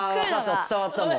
つたわったもん。